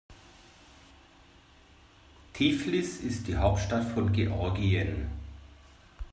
Tiflis ist die Hauptstadt von Georgien.